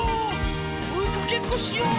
おいかけっこしよう。